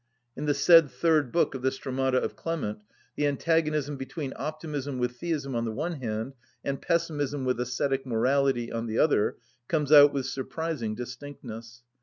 In the said third book of the Stromata of Clement the antagonism between optimism with theism on the one hand, and pessimism with ascetic morality on the other, comes out with surprising distinctness.